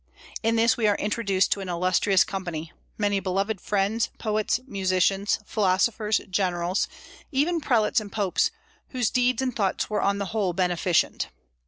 In this we are introduced to an illustrious company, many beloved friends, poets, musicians, philosophers, generals, even prelates and popes, whose deeds and thoughts were on the whole beneficent.